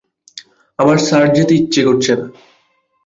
আমার স্যার যেতে ইচ্ছে করছে না।